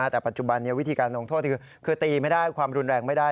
แต่ปัจจุบันวิธีการลงโทษคือตีไม่ได้ความรุนแรงไม่ได้